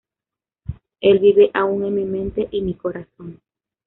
El vive aun en mi mente y mi corazón.